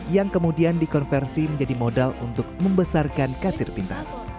yang kemudian dikonversi menjadi modal untuk membesarkan kasir pintar